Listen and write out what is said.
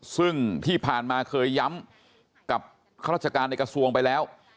ซึ่งที่ผ่านมาเคยย้ำกับข้าราชการในกระทรวงไปแล้ว